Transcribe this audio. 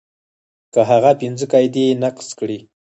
که هغه پنځه قاعدې نقض کړي.